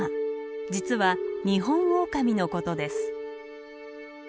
実はニホンオオカミのことです。